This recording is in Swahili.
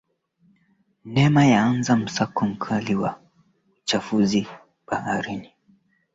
Unajua nini kuhusu uchumi wa blue